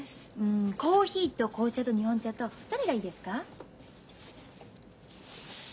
コーヒーと紅茶と日本茶とどれがいいですか？